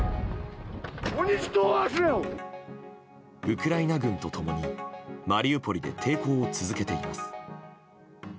ウクライナ軍と共にマリウポリで抵抗を続けています。